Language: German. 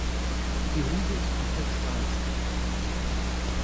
Die Hose ist komplett schwarz.